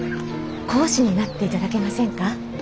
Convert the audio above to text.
講師になっていただけませんか？